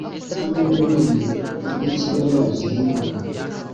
hamwe nubunini bwikibuno gihinduka